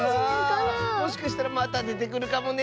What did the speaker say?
もしかしたらまたでてくるかもね。